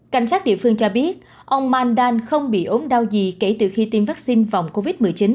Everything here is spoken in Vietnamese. cảnh sát địa phương cho biết ông mandan không bị ốm đau gì kể từ khi tiêm vaccine phòng covid một mươi chín